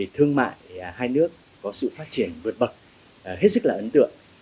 thương mại hai nước có sự phát triển vượt bậc hết sức là ấn tượng